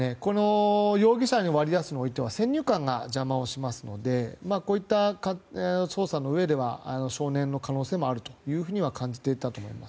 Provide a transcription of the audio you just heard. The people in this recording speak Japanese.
容疑者を割り出すにおいては先入観が邪魔をしますのでこういった捜査のうえでは少年の可能性もあるというふうには感じていたと思います。